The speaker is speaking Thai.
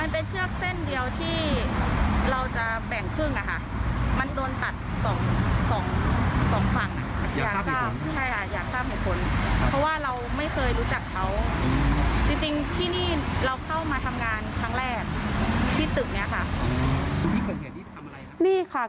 เพื่อนเอะแฮนที่ทำอะไรครับ